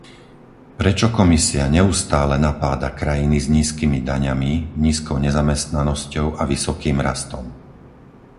Prečo Komisia neustále napáda krajiny s nízkymi daňami, nízkou nezamestnanosťou a vysokým rastom?